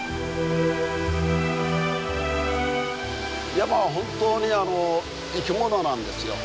山は本当に生き物なんですよ。